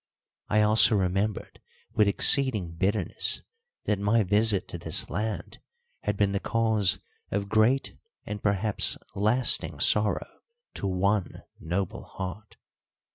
I also remembered with exceeding bitterness that my visit to this land had been the cause of great and perhaps lasting sorrow to one noble heart.